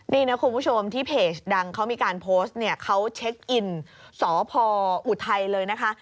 นี่นะคุณผู้ชมที่เพจดังเขามีการโพสต์เนี่ยเขาเช็คอินสพอุทัยเลยนะคะ